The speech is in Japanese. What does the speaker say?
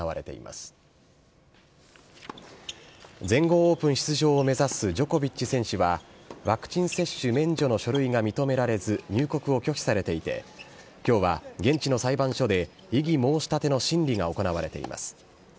全豪オープン出場を目指すジョコビッチ選手は、ワクチン接種免除の書類が認められず、入国を拒否されていて、きょうは現地の裁判所で、異議申し立ての審理が行われています。